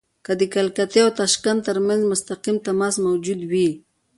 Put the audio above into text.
که د کلکتې او تاشکند ترمنځ مستقیم تماس موجود وي.